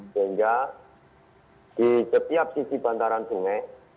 sehingga di setiap sisi bantaran sungai